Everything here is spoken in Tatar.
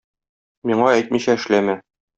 Миңа әйтмичә эшләмә.